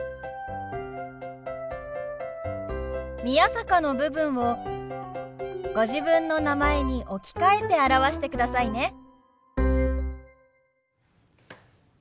「宮坂」の部分をご自分の名前に置き換えて表してくださいね。